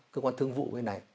cơ quan thương vụ bên này